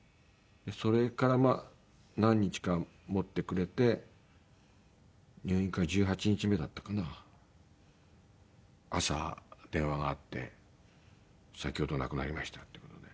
それから何日か持ってくれて入院から１８日目だったかな朝電話があって「先ほど亡くなりました」っていう事で。